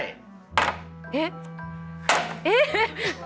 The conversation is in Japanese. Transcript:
えっ。えっ！？